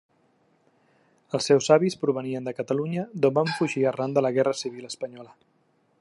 Els seus avis provenien de Catalunya, d'on van fugir arran de la Guerra Civil Espanyola.